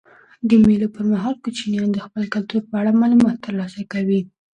د مېلو پر مهال کوچنيان د خپل کلتور په اړه معلومات ترلاسه کوي.